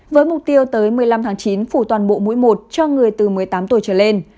với mục tiêu tới một mươi năm tháng chín phủ toàn bộ mũi một cho người từ một mươi tám tuổi trở lên